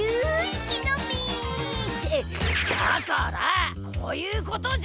ってだからこういうことじゃ。